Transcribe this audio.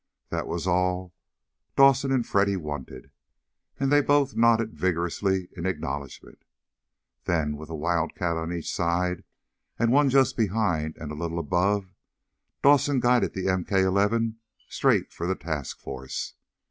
That was all Dawson and Freddy wanted, and they both nodded vigorously in acknowledgment. Then, with a Wildcat on each side, and one just behind and a little above, Dawson guided the MK 11 straight for the task force.